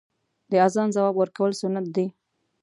د اذان ځواب ورکول سنت دی .